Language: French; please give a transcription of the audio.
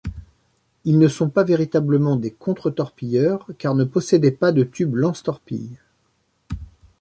Ils ne sont pas véritablement des contre-torpilleurs car ne possédaient pas de tubes lance-torpilles.